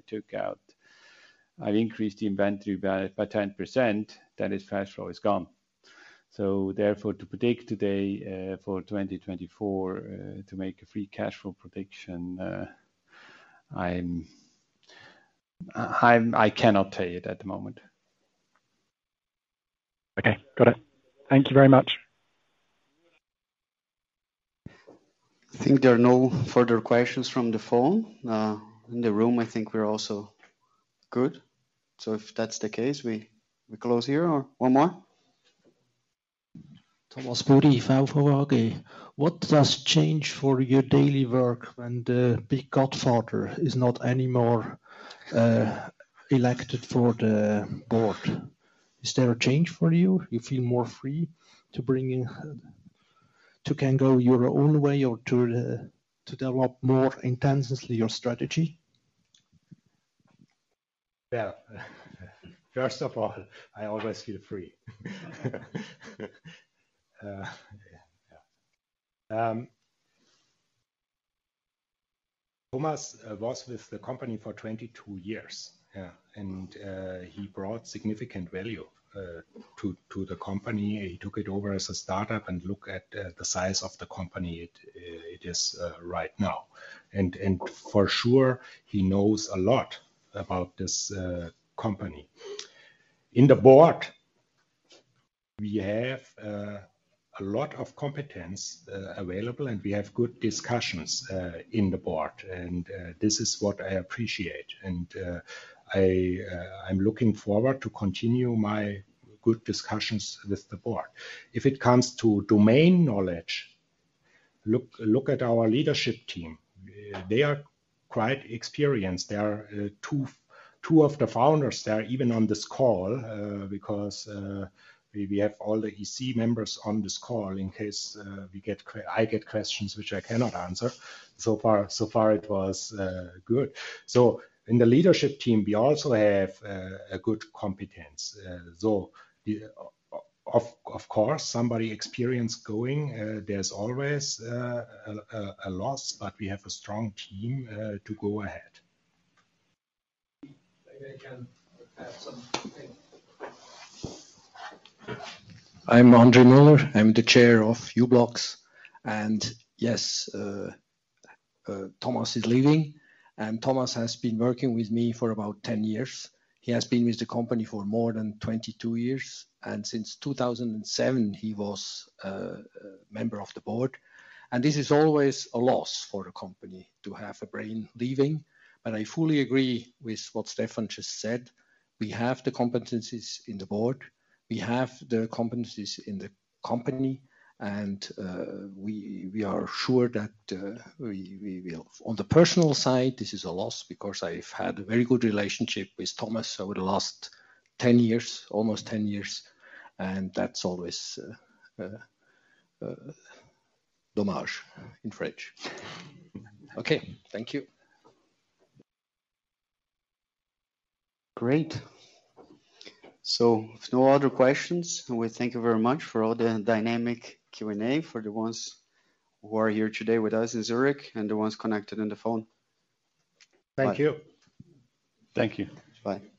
increased the inventory by 10%," that is, cash flow is gone. So therefore, to predict today for 2024, to make a free cash flow prediction, I cannot tell you at the moment. Okay. Got it. Thank you very much. I think there are no further questions from the phone. In the room, I think we're also good. So if that's the case, we close here. Or one more? Thorsten Sauter from Cheuvreux. What does change for your daily work when the big godfather is not anymore elected for the board? Is there a change for you? You feel more free to can go your own way or to develop more intensely your strategy? Well, first of all, I always feel free. Thomas was with the company for 22 years. He brought significant value to the company. He took it over as a startup and look at the size of the company it is right now. For sure, he knows a lot about this company. In the board, we have a lot of competence available. We have good discussions in the board. This is what I appreciate. I'm looking forward to continue my good discussions with the board. If it comes to domain knowledge, look at our leadership team. They are quite experienced. Two of the founders are even on this call because we have all the EC members on this call in case I get questions which I cannot answer. So far, it was good. In the leadership team, we also have a good competence. Of course, somebody experienced going, there's always a loss. We have a strong team to go ahead. Maybe I can add something. I'm André Müller. I'm the Chairman of u-blox. Yes, Thomas is leaving. Thomas has been working with me for about 10 years. He has been with the company for more than 22 years. Since 2007, he was a member of the board. This is always a loss for a company to have a brain leaving. But I fully agree with what Stephan just said. We have the competencies in the board. We have the competencies in the company. We are sure that we will. On the personal side, this is a loss because I've had a very good relationship with Thomas over the last 10 years, almost 10 years. That's always dommage in French. Okay. Thank you. Great. So if no other questions, we thank you very much for all the dynamic Q&A, for the ones who are here today with us in Zurich and the ones connected on the phone. Thank you. Thank you. Bye.